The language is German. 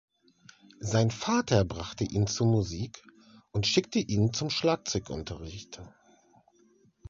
Sein Vater brachte ihn zur Musik und schickte ihn zum Schlagzeugunterricht.